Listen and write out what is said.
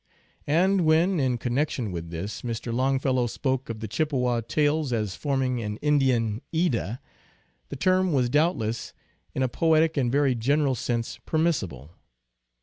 And when, in connection with this, Mr. Long fellow spoke of the Chippewa tales as forming an Indian Edda, the term was doubtless in a poetic and very general sense permissible.